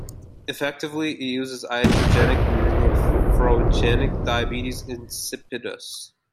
Effectively, it causes iatrogenic nephrogenic diabetes insipidus.